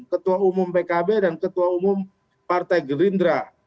ketua umum pkb dan ketua umum partai gerindra